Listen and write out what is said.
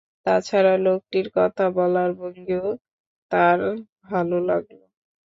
তা ছাড়া লোকটির কথা বলার ভঙ্গিও তাঁর ভালো লাগল।